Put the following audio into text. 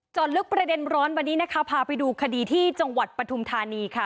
ลึกประเด็นร้อนวันนี้นะคะพาไปดูคดีที่จังหวัดปฐุมธานีค่ะ